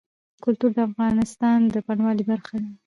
کلتور د افغانستان د بڼوالۍ برخه ده.